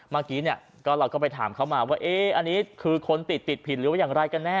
เมื่อกี้เราก็ไปถามเขามาว่าอันนี้คือคนติดติดผิดหรือว่าอย่างไรกันแน่